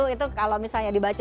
itu kalau misalnya dibaca